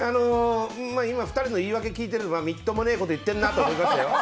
まあ、今、２人の言い訳聞いててみっともねえこと言ってんなと思いましたよ。